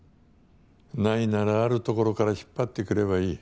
ないならあるところから引っ張ってくればいい。